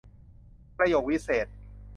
ประโยควิเศษณ์